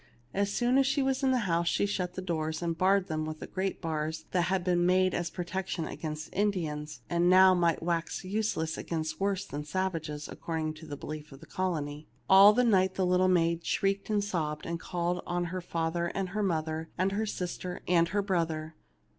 As soon as she was in the house she shut the doors, and barred them with the great bars that had been made as protection against Indians, and now might wax useless against worse than sav ages, according to the belief of the colony. All night long the little maid shrieked and sobbed, and called on her father and her mother and her sister and her brother.